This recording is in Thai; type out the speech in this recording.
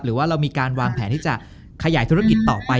หรือว่าเรามีการวางแผนที่จะขยายธุรกิจต่อไป